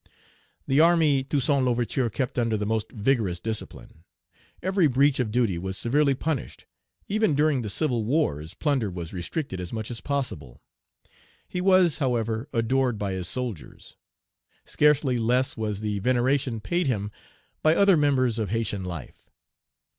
The army Toussaint L'Ouverture kept under the most vigorous discipline. Every breach of duty was severely punished. Even during the civil wars, plunder was restricted as much as possible. He was, however, adored by his soldiers. Scarcely less was the veneration paid him by other members of Haytian life.